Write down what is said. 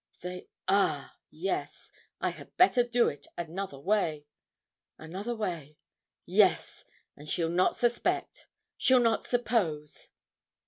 'They are yes I had better do it another way another way; yes and she'll not suspect she'll not suppose.'